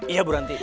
iya bu ranti